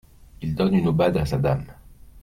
Il donne une aubade à sa dame.